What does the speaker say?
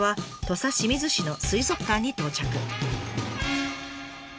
土佐清水市の水族館に到着。